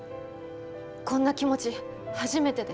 こんな気持ち初めてで。